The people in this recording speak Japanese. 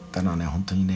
本当にね